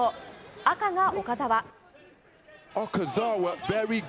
赤が岡澤。